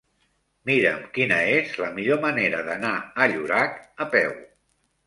Mira'm quina és la millor manera d'anar a Llorac a peu.